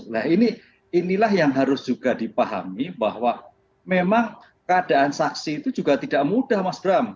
nah inilah yang harus juga dipahami bahwa memang keadaan saksi itu juga tidak mudah mas bram